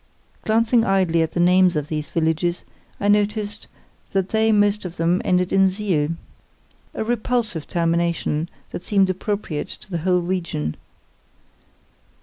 Glancing idly at the names of these villages, I noticed that they most of them ended in siel—a repulsive termination, that seemed appropriate to the whole region.